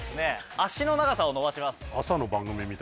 脚の長さを伸ばします。